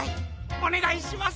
おねがいします。